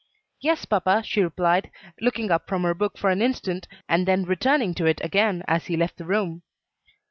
"Yes, papa," she replied, looking up from her book for an instant, and then returning to it again as he left the room.